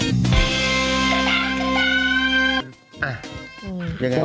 อ่ายังไงครับ